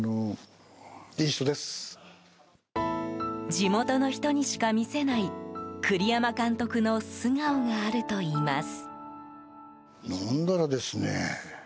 地元の人にしか見せない栗山監督の素顔があるといいます。